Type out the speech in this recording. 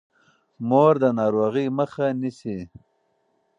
مور د ناروغۍ مخه نیسي.